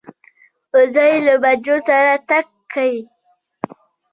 وزې له بچو سره تګ کوي